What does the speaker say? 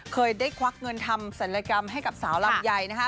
เคยได้ควักเงินทำศัลยกรรมให้กับสาวลำไยนะคะ